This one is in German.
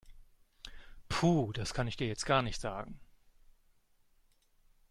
Puh, das kann ich dir jetzt gar nicht sagen.